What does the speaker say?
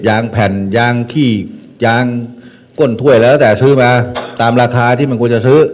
ยางแผ่นยางขี้ยางก้นถ้วยแล้วแต่ซื้อมาตามราคาที่มันควรจะซื้อ